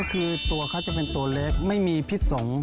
คือตัวเขาจะเป็นตัวเล็กไม่มีพิษสงฆ์